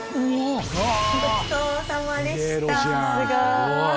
ごちそうさまでした！